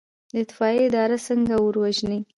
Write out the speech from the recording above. د اطفائیې اداره څنګه اور وژني؟